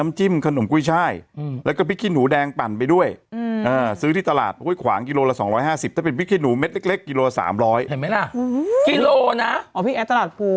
เม็ดละบาท